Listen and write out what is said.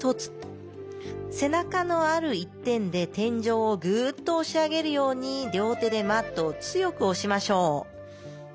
背中のある一点で天井をグッと押し上げるように両手でマットを強く押しましょう。